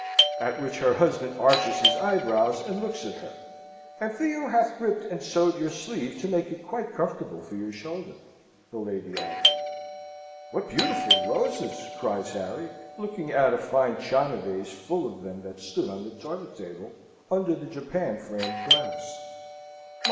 At which her husband arches his eyebrows and looks at her. "And Theo hath ripped and sewed your sleeve to make it quite comfortable for your shoulder," the lady added. "What beautiful roses!" cries Harry, looking at a fine China vase full of them that stood on the toilet table, under the japan framed glass.